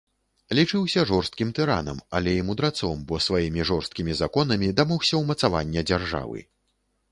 Лічыўся жорсткім тыранам, але і мудрацом, бо сваімі жорсткімі законамі дамогся ўмацавання дзяржавы.